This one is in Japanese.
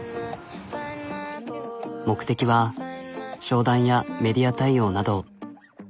目的は商談やメディア対応など。